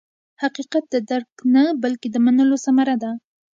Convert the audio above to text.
حقیقت د درک نه، بلکې د منلو ثمره ده.